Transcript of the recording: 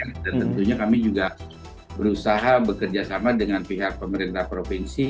dan tentunya kami juga berusaha bekerja sama dengan pihak pemerintah provinsi